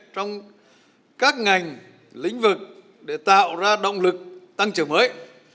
trong các ngành lĩnh vực để tạo ra động lực tăng trưởng mới